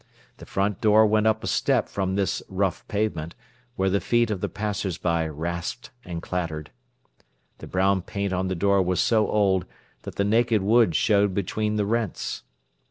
The front door went up a step from off this rough pavement, where the feet of the passers by rasped and clattered. The brown paint on the door was so old that the naked wood showed between the rents.